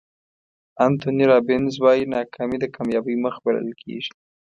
انتوني رابینز وایي ناکامي د کامیابۍ مخ بلل کېږي.